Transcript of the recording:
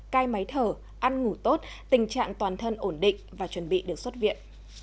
cai máy thở ăn ngủ tốt tình trạng toàn thân ổn định và chuẩn bị được xuất viện